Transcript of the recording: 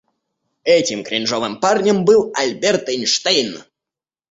Этим кринжовым парнем был Альберт Эйнштейн.